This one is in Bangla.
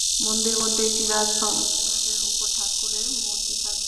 মন্দিরমধ্যে একটি রাজহংসের উপর ঠাকুরের মূর্তি থাকবে।